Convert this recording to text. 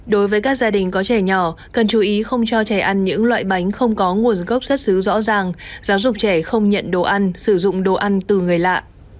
đối với các gia đình có trẻ nhỏ cần chú ý không cho trẻ ăn những loại bánh không có nguồn gốc xuất xứ rõ ràng giáo dục trẻ không nhận đồ ăn sử dụng đồ ăn từ người lạ